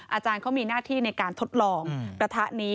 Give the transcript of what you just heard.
อาจารย์เขามีหน้าที่ในการทดลองประทะนี้